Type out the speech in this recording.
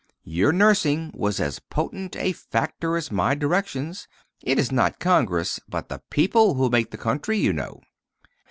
Your nursing was as potent a factor as my directions. It is not Congress, but the people, who make the country, you know."